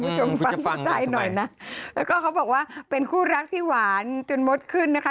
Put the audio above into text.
คุณผู้ชมฟังเข้าใจหน่อยนะแล้วก็เขาบอกว่าเป็นคู่รักที่หวานจนมดขึ้นนะคะ